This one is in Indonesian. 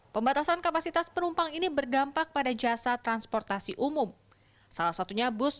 pembatasan kapasitas penumpang ini berdampak pada jasa transportasi umum salah satunya bus